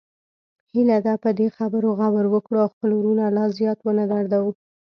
هیله ده په دې خبرو غور وکړو او خپل وروڼه لا زیات ونه دردوو